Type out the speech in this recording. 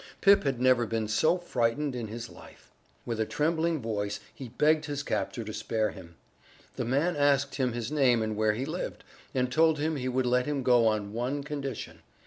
Pip had never been so frightened in his life. With a trembling voice he begged his captor to spare him. The man asked him his name and where he lived, and told him he would let him go on one condition.